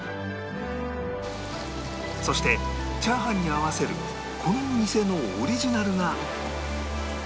そしてチャーハンに合わせるこのお店のオリジナルが